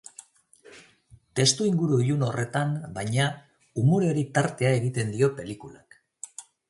Testuinguru ilun horretan, baina, umoreari tartea egiten dio pelikulak.